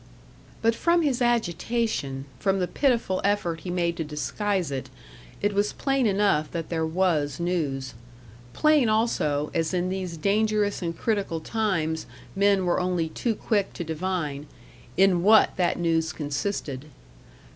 But from his agitation from the pitiful effort he made to disguise it it was plain enough that there was news. Plain also, as in these dangerous and critical times men were only too quick to divine, in what that news consisted.